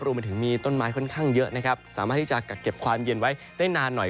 มาถึงมีต้นไม้ค่อนข้างเยอะนะครับสามารถที่จะกักเก็บความเย็นไว้ได้นานหน่อย